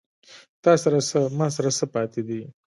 تاســـره څـــه، ما ســـره څه پاتې دي